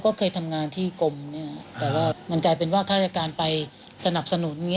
ก็เคยทำงานที่กรมแต่ว่ามันกลายเป็นว่าข้าราชการไปสนับสนุน